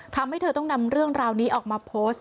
ทำให้เธอต้องนำเรื่องราวนี้ออกมาโพสต์